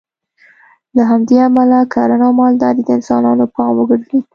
له همدې امله کرنه او مالداري د انسانانو پام وګرځېد